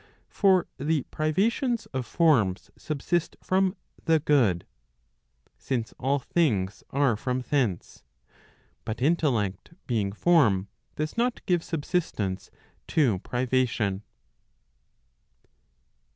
For the privations of forms subsist from the good ; since all things are from thence. But intellect being form, does not give subsistence to privation.